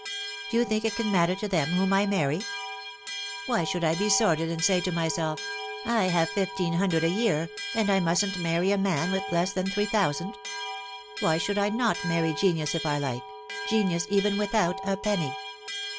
Do you think it can matter to them whom I marry ? Why should I be sordid, and say to myself, ' I have fifteen hundred a year, and I mustn't marry a man with less than three thou sand '? Why should I not marry genius if I like genius even without a penny